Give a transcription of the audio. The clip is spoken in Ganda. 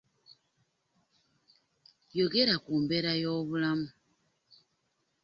Yogera ku mbeera y'obulamu.